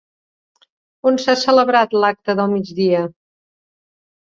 On s'ha celebrat l'acte del migdia?